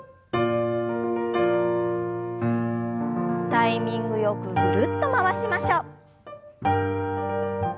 タイミングよくぐるっと回しましょう。